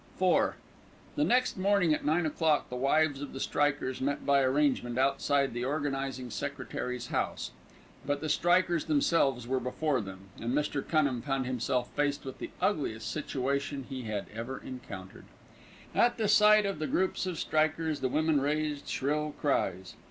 IV The next morning at nine o'clock, the wives of the strikers met by arrangement outside the organising secretary's house; but the strikers themselves were before them, and Mr. Cunham found himself faced with the ugliest situation he had ever encountered. At the sight of the groups of strikers, the women raised shrill cries.